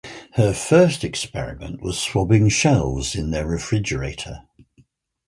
Her first experiment was swabbing shelves in their refrigerator.